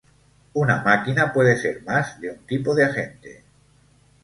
Una máquina puede ser más de un tipo de agente.